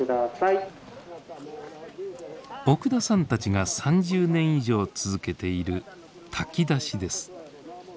奥田さんたちが３０年以上続けている炊き出しです。